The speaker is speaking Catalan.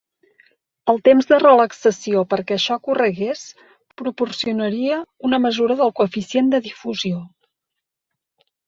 El temps de relaxació perquè això ocorregués proporcionaria una mesura del coeficient de difusió.